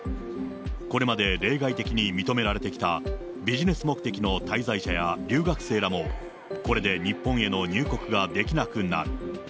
これまで例外的に認められてきたビジネス目的の滞在者や留学生らも、これで日本への入国ができなくなる。